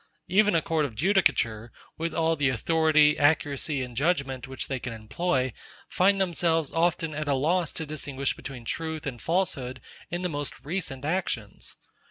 Even a court of judicature, with all the authority, accuracy, and judgement, which they can employ, find themselves often at a loss to distinguish between truth and falsehood in the most recent actions.